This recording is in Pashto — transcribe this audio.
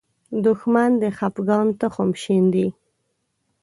دښمن د خپګان تخم شیندي